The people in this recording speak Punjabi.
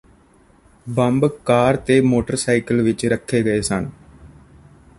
ਬੰਬ ਕਾਰ ਤੇ ਮੋਟਰਸਾਈਕਲ ਵਿੱਚ ਰੱਖੇ ਗਏ ਸਨ